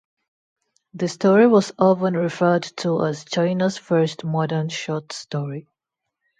The story was often referred to as "China's first modern short story".